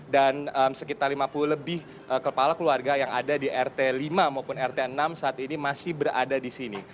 dan sekitar lima puluh lebih kepala keluarga yang ada di rt lima maupun rt enam saat ini masih berada di sini